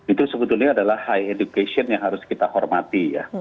itu sebetulnya adalah high education yang harus kita hormati ya